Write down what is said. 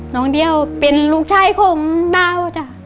น้องเดียวเป็นลูกชายของดาวจ้ะ